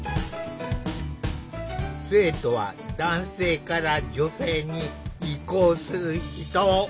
生徒は男性から女性に移行する人。